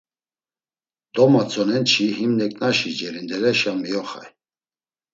Domatzonen çi him neǩnaşi cerindeleşa miyoxay.